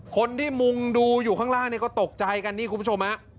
คนที่มุงดูอยู่ข้างล่างเนี่ยก็ตกใจกันนี่คุณผู้ชมฮะ